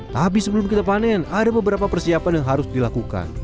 tapi sebelum kita panen ada beberapa persiapan yang harus dilakukan